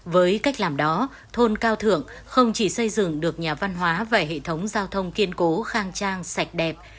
với cách làm đó thôn cao thượng không chỉ xây dựng được nhà văn hóa và hệ thống giao thông kiên cố khang trang sạch đẹp